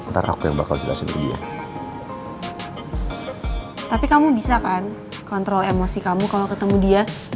terima kasih kamu kalau ketemu dia